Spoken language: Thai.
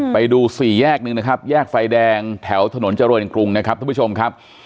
ไปดูสี่แยกหนึ่งนะครับแยกไฟแดงแถวถนนเจริญกรุงนะครับท่านผู้ชมครับ